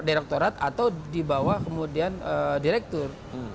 direkturat atau dibawah kemudian direktur